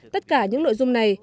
tất cả những nội dung này